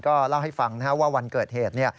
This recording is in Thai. ก็เล่าให้ฟังว่าวันเกิดเหตุ